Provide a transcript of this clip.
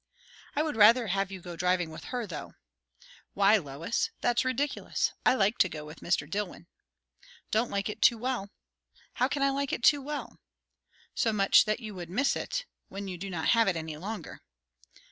"I would rather have you go driving with her, though." "Why, Lois? That's ridiculous. I like to go with Mr. Dillwyn." "Don't like it too well." "How can I like it too well?" "So much that you would miss it, when you do not have it any longer."